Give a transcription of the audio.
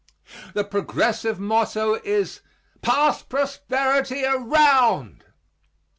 The progressive motto is "Pass prosperity around."